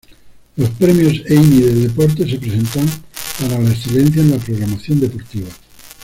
Los premios Emmy de Deportes se presentan para la excelencia en la programación deportiva.